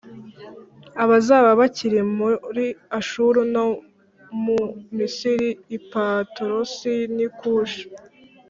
abazaba bakiri muri Ashuru no mu Misiri, i Patorosi, n’i Kushi,